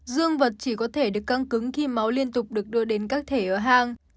dương vật chỉ có thể được căng cứng khi máu liên tục được đưa đến các thể ở hang